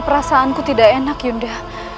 perasaanku tidak enak yunda